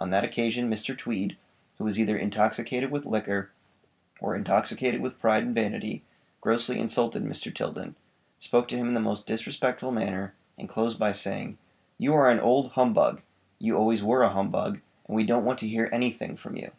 On that occasion Mr. Tweed, who was either intoxicated with liquor, or intoxicated with pride and vanity, grossly insulted Mr. Tilden, spoke to him in the most disrespectful manner, and closed by saying: "YOU ARE AN OLD HUMBUG; YOU ALWAYS WERE A HUMBUG, AND WE DON'T WANT TO HEAR ANYTHING FROM YOU!"